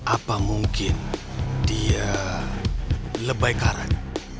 apa mungkin dia lebay karang